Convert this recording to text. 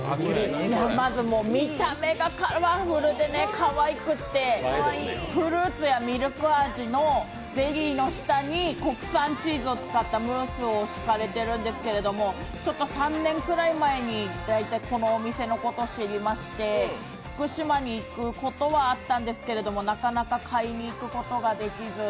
まず、見た目がカラフルでかわいくて、フルーツやミルク味のゼリーの下に、国産チーズを使ったムースを敷かれてるんですけど、ちょっと３年くらい前にこのお店のことを知りまして福島に行くことはあったんですけど、なかなか買いに行くことができず。